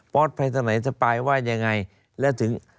ไปตรงไหนสปายว่ายังไงแล้วถึง